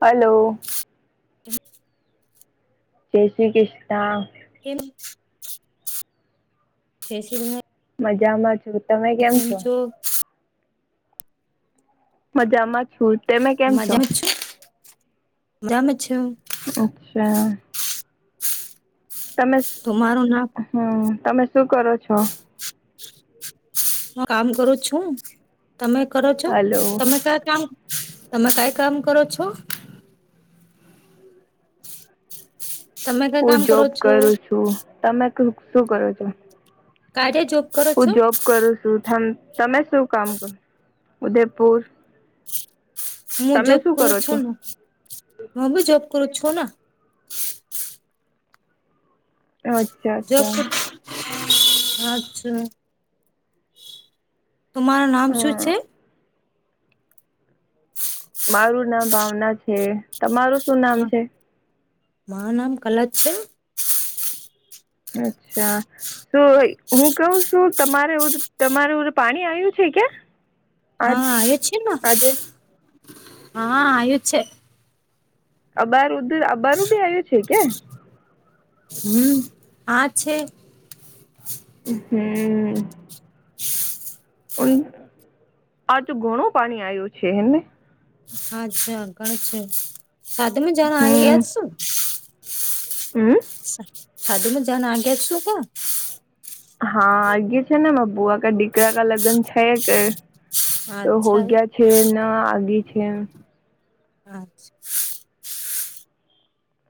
હાલો. હ [inaudible] જે શ્રી કિષ્ના. કેમ? કેસીવને. [unintelligible] મજામાં છું, તમે કેમ છો? મજામાં છું જ. મજામાં છું, મજામાં છું? અચ્છા. તમે તો મારું ના હું તમે શું કરો છો? હું કામ કરું છું, તમે કરો છો, હલો તમે ક્યાં કામ તમે કંઈ કામ કરો છો? તમે કઈ કામ હું કરો જોબ છો કરું છું, તમે શું કરો છો? કારકે જોબ કરો? હું છો જોબ કરું છું, તમે શું કામ કરે? ઉદયપુર. હું તમે જબ શું કરું કરો છો છું, નેહું ભી જબ કરું છું. અ [unintelligible] જો અચ્છા. તમારું નામ શું હ છે? મારું નામ ભાવના છે, તમારું શું નામ છે? માના કલા છે. અચ્છા. તો હું કવુ છું તમારે તમારું ઓલું પાણી આવ્યું છે કે? આજ હા આયોજન છે, આજે માંહા આયોજન છે. અબાર અબારું બી આવ્યું છે કે? હું આ છે. હું. આજ ઘણું પાણી આવ્યું છે એમને. અચ્છા ગણ છે, સાધમાં જણ આવી ગયાતું. હું. સાધુમાં જના આગ્યાશો? હાઆે છે નેબુઆ કે દીકરા કા લગ્ન છે કે. તોહો ગયા છે આગી છે એમ. અચ્છ.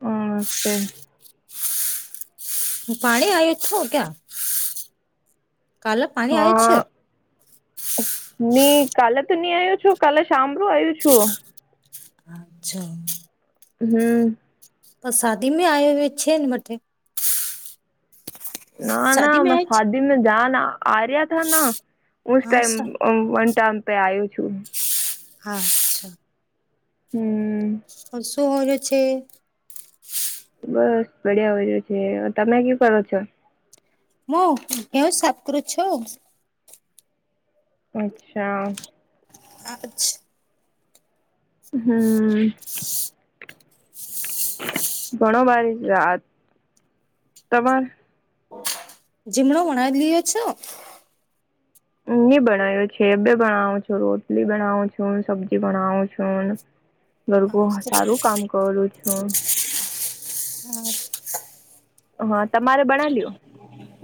હમસ્તે. પાણી આય છો ક્યા? હા. હી કાલે તો નહી આવ્યો છું કાલે સાંભળું આવ્યું છું. અચ્છા. હમ. પણ શાદીમાં આવ્યા હોય છેને મ માટે. ના ના મે શાદી મે જ ના આર્યા [unintelligible] હા સા તમે પણ આવું છું. હા અચ્છા. હમ. હ શું હોય છે? બસ બડિયા હોય રહ્યો છે તમે કુ કરો છો? હું ઘઉ સાફ કરુ છું. અચ્છા. આછ [unintelligible] હમ. ઘણો બરી રાત તમારે. જીમણો મણાવ લયો છો? હું ભણ્યો છે બે ભણે છો રોટલી બનાવું છું સબ્જી બણવું છું. [inaudible] ઘરગું સારું કામ કરું છું. હમ. હા તમારે બના લ્યો?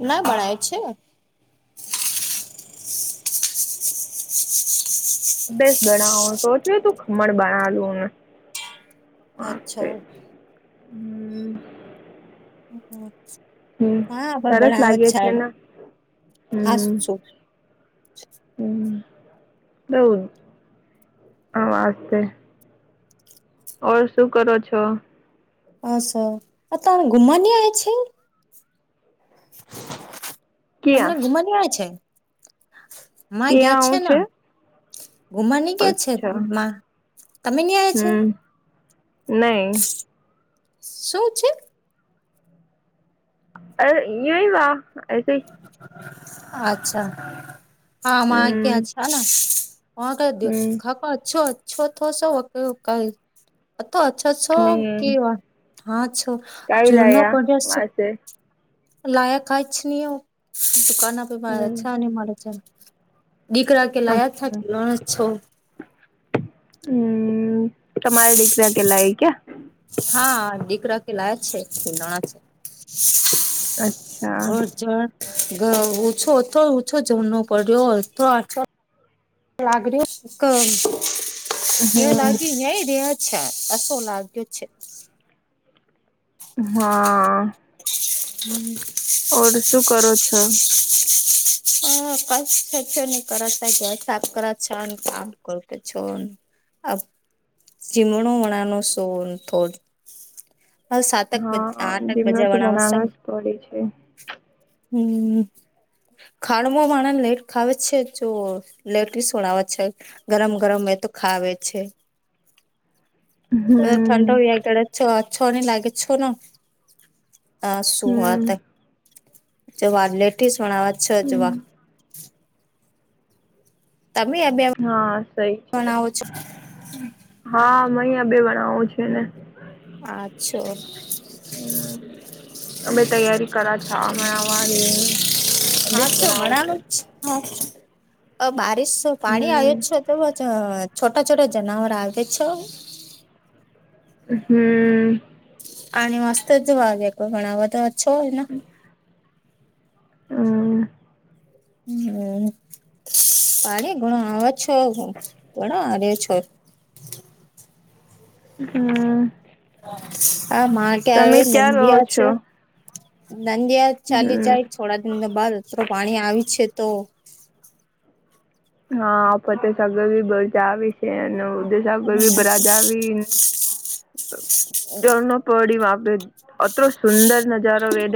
ના ભણાય છે. હું બેસન બનાવું અને ખમણ બનાવું. અચ્છા ઓકે. હમ હમ હમ. હમ, સરસ લાગી છેને હા હમ. શું હમ, બઉ હ, વાસ્તે. ઔર શું કરો છો? હા સરો ત ઘૂમને આવી છે? તમને ક્યાં ઘુમાન્યા છે? મા ગયા ક્યાં છે. હું ઘુમાની કે્યા અચ્છા છેમાં? હમ, નહી. શું છે? અ ય વાહ એસ [unintelligible] અચ્છા હામાં, હમ છ. હમ ેખાકો અછો અછો થ ક. તો અ્છોછો હમ કેવાય હા છો, કઈ ચૂરનો પ લાયા વાસે લાયકાચ ન દુકાન પે હમ માછા અને મારે છે, દીખરા કેલા છ ચ અચ્છા છો. હમ, તમારા દીકરા કેલા એ ક્યાં? હા દીકરા કેલાાયક છે ખ નાણા છે. અચ્છા ઓર જોર ઓછો થ ઓછો જમનો પડ્યોથ આ. લાગડી, એ લાગી હમ યે અચ્છાસો લાગ્યો છે. હા. [unintelligible] ઓર શું કરો છો? [unintelligible] [unintelligible] હા જીમનો તો બનાવનો જ પડે છે. [unintelligible] [unintelligible] [unintelligible] હમ [unintelligible] હમ. [unintelligible] [unintelligible] [unintelligible] વણાવો છો [unintelligible] [unintelligible] અમે તૈયારી કરીએ છીએ. હમ [unintelligible] [inaudible] છોટા-છોટા જનાવર આવે છે. હમ્મ. [unintelligible] [unintelligible] હમ. [unintelligible] હમ્મ. ક્યાં રહો છો [unintelligible] હમ. [unintelligible] [unintelligible] [unintelligible] ઘરની બધી વાતો. સુંદર નજારો દેખાયા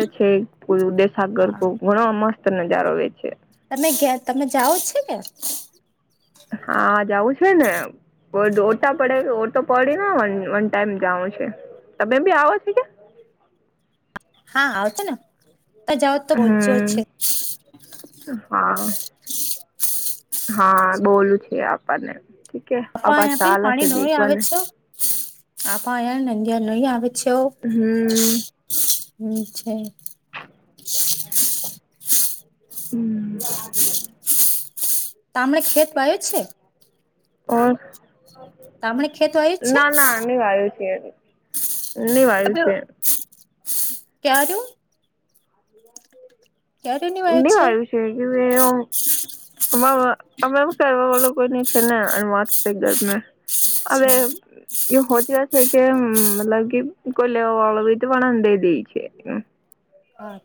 હા કરતો, ધણો સુંદર નજારો હતો. તમે તમે જાઓ છે કે હા, જાવું છે ને. કો ઓટા પડે, ઓટો પડીને વન ટાઈમ જાવો છે, તમે બી આવો છો કે. હા, આવ છે નને. હમ્મ, હા. હા, બોલું છે આપણને. ઠીક હે હા, આપ અહી ચાલ છે પાણી નહીં આવે દેખવાને છે. આવું પાણી નહીં આવે છે. હમ હમ્મ. તમણા ખેત પાય છે. પાણી આવ્યું? તામણે ના, ખેત વાયું ના, છે પાણી નહીં આવ્યું. નહીં, પાણી નથી આવ્યું. [unintelligible] ક્યારે ની વાયો છે [unintelligible] [inaudible] હવે. [unintelligible]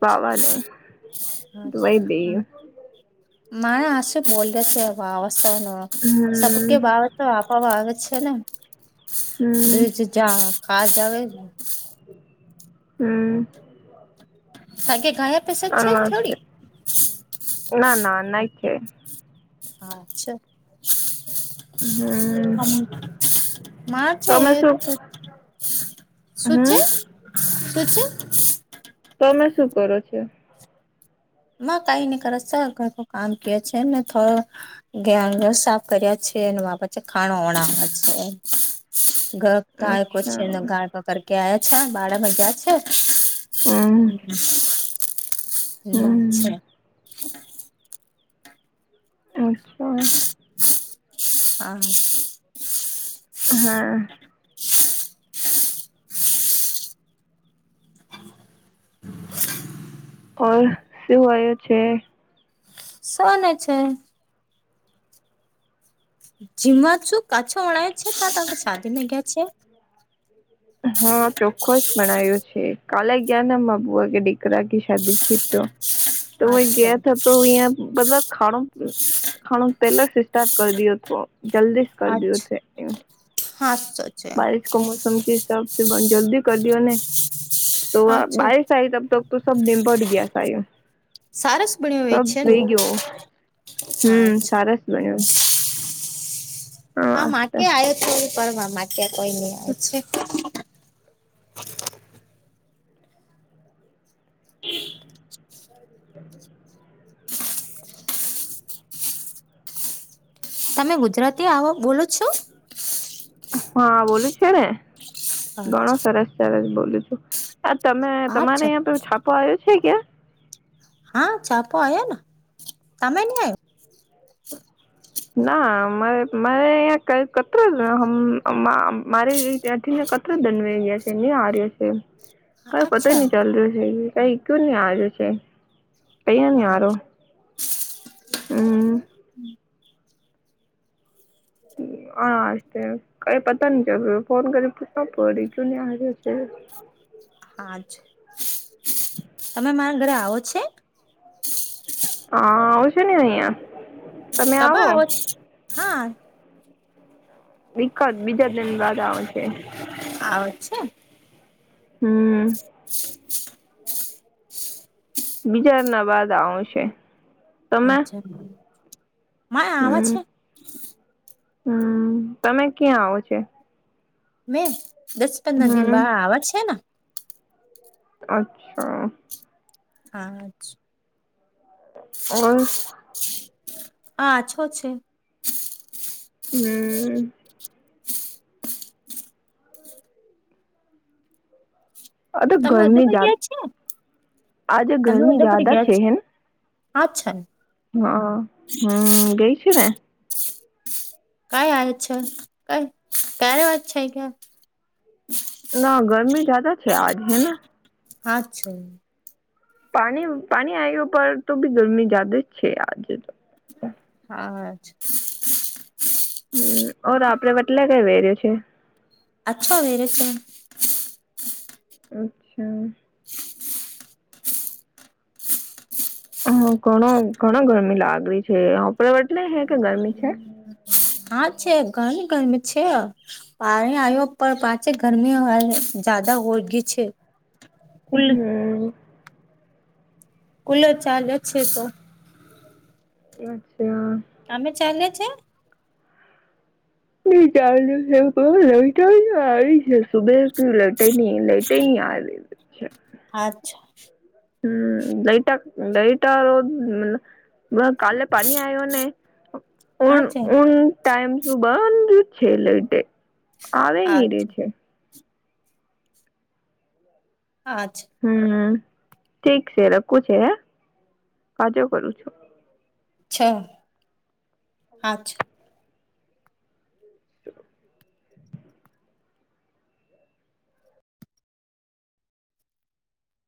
બાવાને દઈ દઈએ [unintelligible] હમ [unintelligible] હમ [inaudible] હમ્મ. [unintelligible] કાર કેે ગયા પેશા જ છે થોડી ના ના ના છે [unintelligible] હા અચ્છા. હમ માણ છે તમે એ શું પછી. શું છે હમ શું છે. તમે શું કરો છો. માં કાઈ નહી કરે સર ઘરનો કામ કે છેને થોડો. ગેહું સાફ કર્યા છે અને બા પછે ખાણો ઓણાવ્યા છે. ગાયકો છે અચ્છા ગાયકો કરકે આવ્યા છે બાળક મજા છે હે. હમ એના છે. હમ અચ્છા. હા. હા. ઓર શું હોય છે. શુંને છે. ઝીમા છુ કાછો ઓણાય છે ત તં શાદી મેં ગ્યા છે. હા ચોખ્ખોસ બણાયુ છે. છે કાલે ગ્યાને મારા બુવા કે ડીકરા કી શાદી છે તો. તોય આછો ગયા ત તો અહિયાં બધા ખાણો ખાણો પેલો સે સ્ટાર્ટ કરી દ્યો તો જલ્દી જ કરી દ્યો છે એ. હા સર. બારિશ કો મોસમ કે હિસાબથી બંધ જલ્દી કર દ્યો ને તો હાચો બારિશ સાહે તબ તક તો સબ દિમ પટ ગયા હતા એમ. સારસ બન્યો હોય છે ગયો હા હમ સરસ બન્યો હા માટે આયો તો પરમા માટેયા કોઈ નઈ આવે છે. [inaudible] તમે ગુજરાતી આવો બોલો છો. હા બોલું છે ને અચ્છા ઘણો સરસ સરસ બોલું છું. આ તમે તમારે અચ્છા અયાં પે છાપો આવ્યો છે ક્યાં. હા છાપો આયો ને તમે નહી આયુ. ના માર મારે અય કઈ કત્ર [unintelligible] મારે ત્યાંથી ને ધનવે ગયા છે આર્ય છે. હ આવ્યો પતાય અચ્છા નહી ચાલ રહ્યો છે કઈ કયું નહી આર્યું છે ક્યુ નય આ ર્યો. અચ્છા અ. હ [inaudible] હા તે કઈ પતા ન ચાલ્યું ફોન કરી પૂછવુ પડે ક્યું નય આર્યુ છે. હા છે. તમે મારા ઘરે આવો છે. હા આવુ છે ને અહ્યા. કપે આવો છો હાં. વીકલ્પ બીજા દીન બાદ આવે છે. આવે છે. હમ. [inaudible] બીજાના બાદ આવશે. અચ્છા મા ય આવે હમ છે. હમ તમે ક્યાં આવો છે. મેં દસ પંદરા દિન હમ બાદ આવે છે ના. અચ્છા. હા ચ. બોલ. હા છો છે. હમ. તમે ઉદેપુર ગયા છો? આજે તમે ગરમી ઉદેપુર ગયા છે છો? હે અચ્છા. હા હમ ગઈ છું ને. કાઈ આવે છે કાઈ ક્યારે. [unintelligible] ના ગરમી જ્યાદા છે આજ હૈ ને. હા છે. પાણી પાણી આવ્યો પર તોબી ગરમી જાદે જ છે આજે તો. હા આજ. હમ ઓર આપડે બટલે કઈ વેર્યો છે. અચ્છો વેરે છે. અચ્છા. હમ ઘણો ઘણો ગરમી લાગે છે. આપડે [unintelligible] હે કે ગરમી છે. હા છે ઘણી ગરમી છે આ. પાણી આવ્યો પણ પાંચે ગરમી જદા ઓળગી છે. કુલ હમ કુલર ચાલે છે તો. અચ્છા. તમે ચાલે છે? [unintelligible] [inaudible] [unintelligible] અચ્છા. હમ લઈટા [unintelligible] બ કાલે પાણી આવ્યો ને ઉન હા છે ઉન ટાઈમ તો બંધુ જ છે લાઈટે આવે ની રે અચ્છા છે. અચ્છા. હમ ઠીક છે રખું છે હે પાછો કરું છું. છ અચ્છા. [unintelligible]